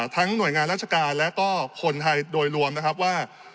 หน่วยงานราชการและก็คนไทยโดยรวมนะครับว่า